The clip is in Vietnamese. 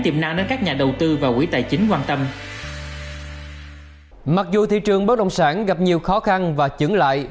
mặc dù thị trường bất đồng sản gặp nhiều khó khăn và chứng lại